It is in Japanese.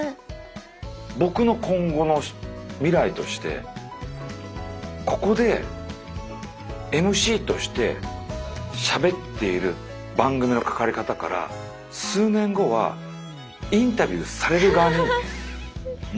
僕の今後の未来としてここでＭＣとしてしゃべっている番組の関わり方から数年後はインタビューされる側になりたい。